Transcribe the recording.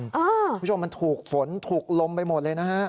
คุณผู้ชมมันถูกฝนถูกลมไปหมดเลยนะฮะ